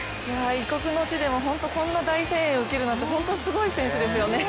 異国の地でもこんな大声援を受けるなんて本当にすごい選手ですよね。